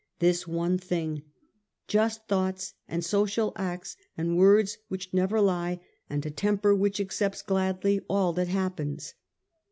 This one thing ; just thoughts and social acts, and words which never lie, and a temper which accepts gladly all that happens.